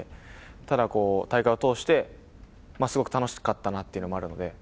ただ、大会を通して、すごく楽しかったなというのもあるので。